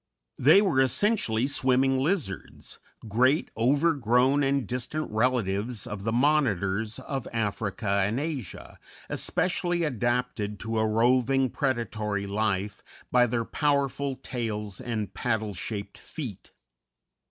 They were essentially swimming lizards great, overgrown, and distant relatives of the Monitors of Africa and Asia, especially adapted to a roving, predatory life by their powerful tails and paddle shaped feet.